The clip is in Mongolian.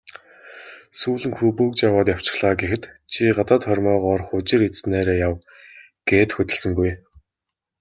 "Сүүлэн хүү бөгж аваад явчихлаа" гэхэд "Чи гадаад хормойгоор хужир идсэнээрээ яв" гээд хөдөлсөнгүй.